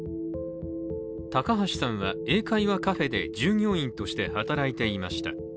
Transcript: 高橋さんは、英会話カフェで従業員として働いていました。